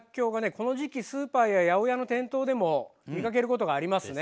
この時期スーパーや八百屋の店頭でも見かけることがありますね。